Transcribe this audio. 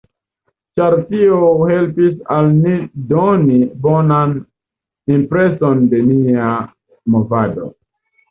Ĉar tio helpis al ni doni bonan impreson de nia movado.